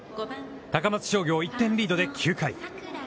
高松商業１点リードで、９回。